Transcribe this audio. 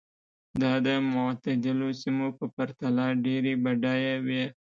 دا د معتدلو سیمو په پرتله ډېرې بډایه وې.